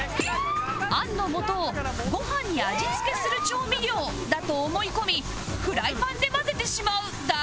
餡のもとをご飯に味付けする調味料だと思い込みフライパンで混ぜてしまう大失態